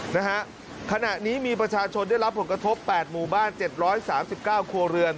นะฮะขณะนี้มีประชาชนได้รับผลกระทบ๘หมู่บ้าน๗๓๙ครัวเรือน